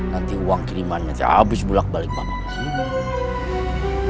nanti uang kiriman nanti habis bulat balik bapak kesini